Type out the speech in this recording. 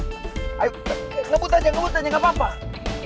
udah udah udah parah parah ayo ngebut aja ngebut aja gapapa